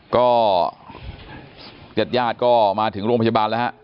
ก็เจ็ดญาติก็มาถึงโรงพยาบาลนะครับ